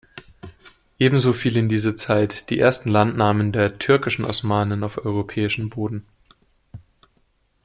Ebenso fiel in diese Zeit die ersten Landnahmen der türkischen Osmanen auf europäischen Boden.